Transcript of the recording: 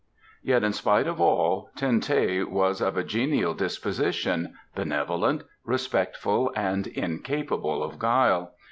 Yet in spite of all Ten teh was of a genial disposition, benevolent, respectful and incapable of guile.